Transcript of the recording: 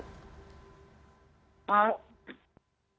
jadi sebagai imbasya apakah kegiatan ini masih tetap jalan pak secara online